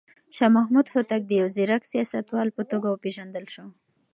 شاه محمود هوتک د يو ځيرک سياستوال په توګه وپېژندل شو.